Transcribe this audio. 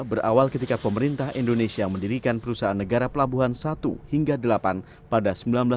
berawal ketika pemerintah indonesia mendirikan perusahaan negara pelabuhan satu hingga delapan pada seribu sembilan ratus sembilan puluh